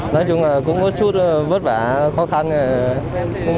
nói chung là cũng có chút vất vả khó khăn